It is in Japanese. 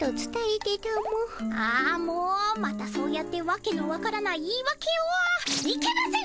あもうまたそうやってわけのわからない言いわけを。いけません！